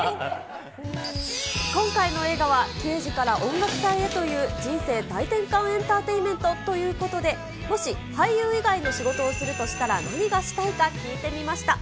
今回の映画は、刑事から音楽隊へという、人生大転換エンターテインメントということで、もし俳優以外に仕事をするとしたら、何がしたいか聞いてみました。